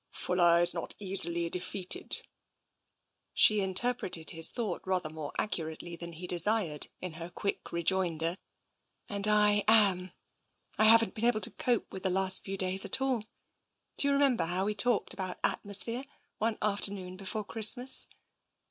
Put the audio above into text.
" Fuller is not easily defeated." She interpreted his thought rather more accurately than he desired, in her quick rejoinder. " And I am. I haven't been able to cope with the last few days at all. Do you remember how we talked about atmosphere one afternoon before Christmas?